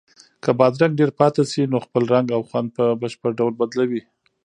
که بادرنګ ډېر پاتې شي نو خپل رنګ او خوند په بشپړ ډول بدلوي.